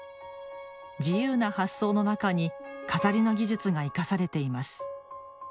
自由な発想の中に錺の技術が生かされています